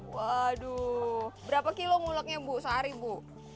waduh berapa kilo muleknya bu sehari bu